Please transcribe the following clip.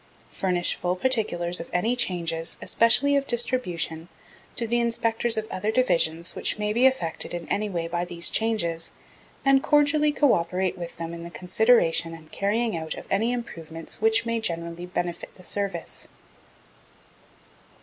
Furnish full particulars of any changes, especially of distribution, to the Inspectors of other Divisions which may be affected in any way by these changes, and cordially co operate with them in the consideration and carrying out of any improvements which may generally benefit the Service.